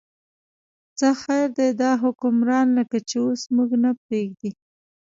څه خیر دی، دا حکمران لکه چې اوس موږ نه پرېږدي.